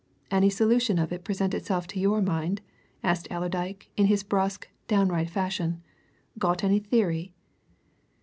"Any solution of it present itself to your mind?" asked Allerdyke in his brusque, downright fashion. "Got any theory?"